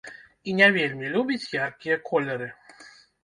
І не вельмі любяць яркія колеры.